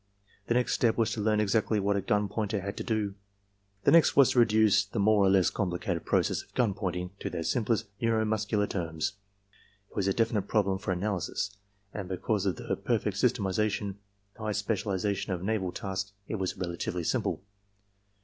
" The first step was to learn exactly what a gun pointer had to do. The next was to reduce the more or less complicated processes of gun pointing to their simplest neuro muscular terms. It was a definite problem for analysis; and, because of the perfect systematization and high specialization of naval tasks it was relatively simple.